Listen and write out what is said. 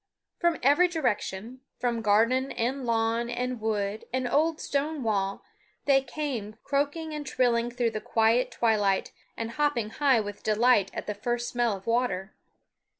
From every direction, from garden and lawn and wood and old stone wall, they came croaking and trilling through the quiet twilight, and hopping high with delight at the first smell of water.